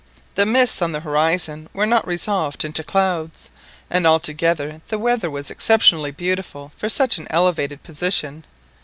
The mists on the horizon were not resolved into clouds, and altogether the weather was exceptionally beautiful for such an elevated position.